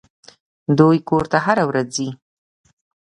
دوى کور ته هره ورځ ځي.